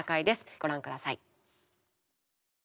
ご覧ください。